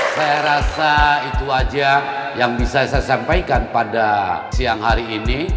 saya rasa itu aja yang bisa saya sampaikan pada siang hari ini